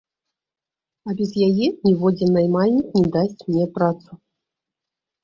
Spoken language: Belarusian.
А без яе ніводзін наймальнік не дасць мне працу.